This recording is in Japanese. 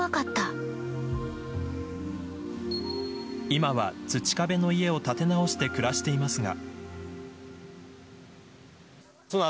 今は土壁の家を建て直して暮らしていますが。